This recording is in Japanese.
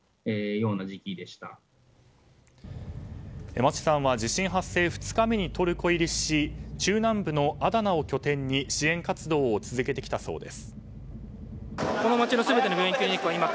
町さんは地震発生２日目にトルコ入りし中南部のアダナを拠点に支援活動を続けてきたそうです。